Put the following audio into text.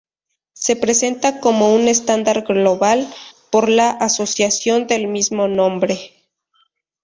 Se presenta como un estándar global por la asociación del mismo nombre.